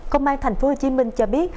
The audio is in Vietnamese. công an tp hcm cho biết